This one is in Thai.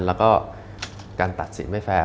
แล้วก็การตัดสินไม่แฟร์